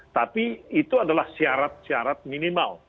tapi itu adalah syarat syarat minimal